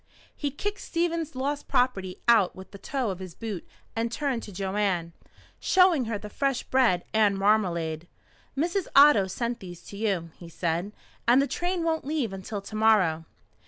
He kicked Stevens' lost property out with the toe of his boot and turned to Joanne, showing her the fresh bread and marmalade. "Mrs. Otto sent these to you," he said. "And the train won't leave until to morrow."